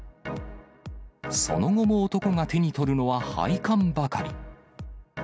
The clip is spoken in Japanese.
その後も男が手に取るのは配管ばかり。